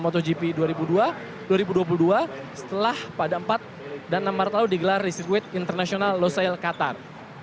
dua motogp dua ribu dua puluh dua setelah pada empat dan enam maret lalu digelar di circuit international losail qatar